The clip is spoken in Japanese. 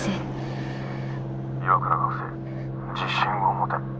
「岩倉学生自信を持て」。